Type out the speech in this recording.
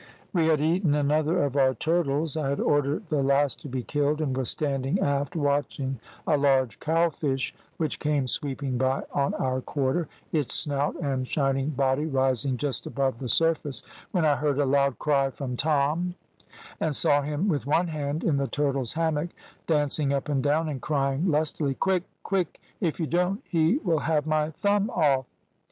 "We had eaten another of our turtles. I had ordered the last to be killed, and was standing aft watching a large cow fish which came sweeping by on our quarter, its snout and shining body rising just above the surface, when I heard a loud cry from Tom, and I saw him with one hand in the turtle's hammock dancing up and down, and crying lustily, `Quick, quick! if you don't, he will have my thumb off.'